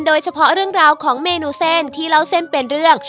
โดยเฉพาะเรื่องราวของเมนูเส้นที่เล่าเส้นเป็นเรื่อง